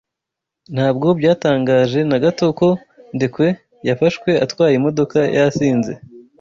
Ntabwo byantangaje na gato ko Ndekwe yafashwe atwaye imodoka yasinze.